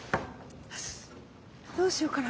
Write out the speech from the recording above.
どうしようかな。